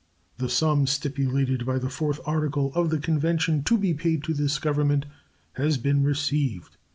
The sum stipulated by the fourth article of the convention to be paid to this Government has been received.